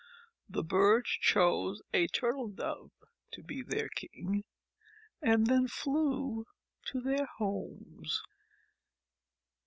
The birds chose a Turtle Dove to be their king, and then flew to their homes.